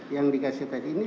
yang dikasih tadi